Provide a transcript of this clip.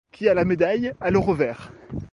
Qui a la médaille a le revers.